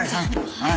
はい。